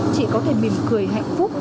chị có thể mỉm cười hạnh phúc